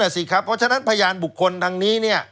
นั่นน่ะสิครับเพราะฉะนั้นพยานบุคคลทางนี้